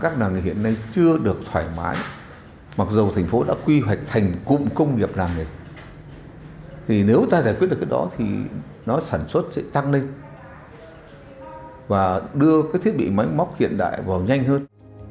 thì nếu ta giải quyết được cái đó thì nó sản xuất sẽ tăng lên và đưa cái thiết bị máy móc hiện đại vào nhanh hơn